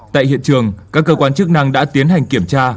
tại hiện trường các cơ quan chức năng đã tiến hành kiểm tra